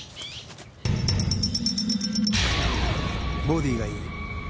ボディーがいい？